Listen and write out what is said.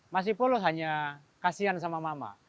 masih polo hanya kasihan sama mama